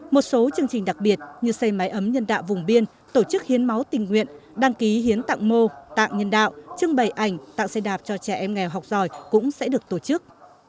một số chương trình đặc biệt như xây máy ấm nhân đạo vùng biên tổ chức hiến máu tình nguyện đăng ký hiến tặng mô tặng nhân đạo trưng bày ảnh tặng xe đạp cho trẻ em nghèo học giỏi cũng sẽ được tổ chức